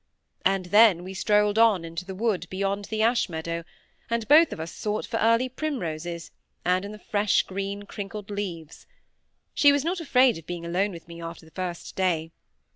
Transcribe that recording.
And then we strolled on into the wood beyond the ash meadow, and both of us sought for early primroses, and the fresh green crinkled leaves. She was not afraid of being alone with me after the first day.